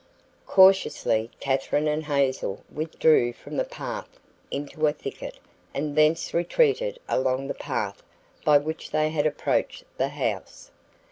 Cautiously Katherine and Hazel withdrew from the path into a thicket and thence retreated along the path by which they had approached the house.